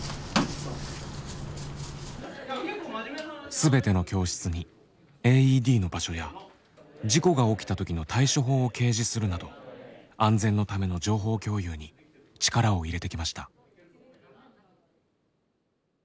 全ての教室にＡＥＤの場所や事故が起きた時の対処法を掲示するなど安全のための情報共有に力を入れてきました。